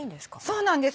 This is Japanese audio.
そうなんです